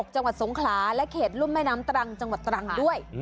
จังหวัดสงขลาและเขตรุ่มแม่น้ำตรังจังหวัดตรังด้วย